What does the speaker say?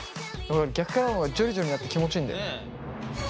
逆からの方がジョリジョリなって気持ちいいんだよ。